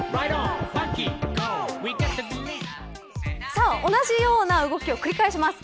さあ、同じような動きを繰り返します。